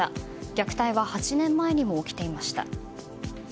虐待は８年前にも起きていました。